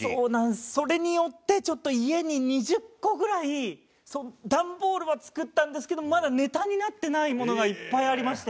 それによってちょっと家に２０個ぐらいダンボールは作ったんですけどまだネタになってないものがいっぱいありまして。